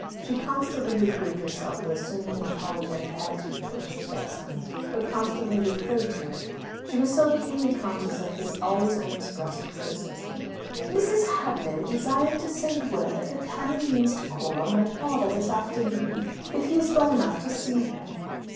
She constantly reproved herself for assuming an apologetic attitude towards her stepson, but constantly recurred to it; she was so keenly conscious of his always unexpressed criticism. "Mrs. Hadlow desired to send word that the canon means to call on my father this afternoon, if he is well enough to see him."